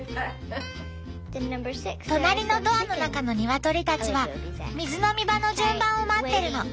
隣のドアの中のニワトリたちは水飲み場の順番を待ってるの。